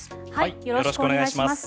よろしくお願いします。